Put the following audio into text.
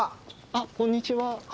あっこんにちは。